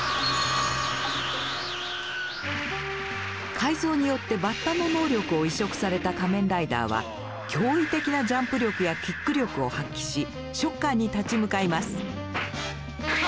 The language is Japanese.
改造によってバッタの能力を移植された仮面ライダーは驚異的なジャンプ力やキック力を発揮しショッカーに立ち向かいます。